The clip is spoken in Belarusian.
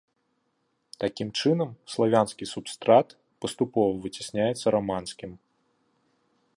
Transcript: Такім чынам, славянскі субстрат паступова выцясняецца раманскім.